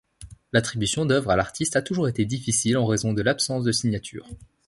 L'attribution d’œuvres à l’artiste a toujours été difficile en raison de l'absence de signature.